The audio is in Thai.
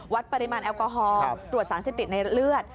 วัดปริมาณแอลกอฮอล์ตรวจสารเสพติดในเลือด